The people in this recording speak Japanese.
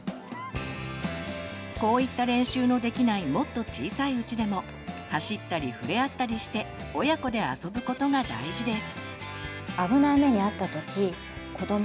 こういった練習のできないもっと小さいうちでも走ったりふれあったりして親子で遊ぶことが大事です。